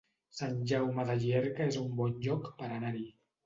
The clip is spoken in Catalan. Sant Jaume de Llierca es un bon lloc per anar-hi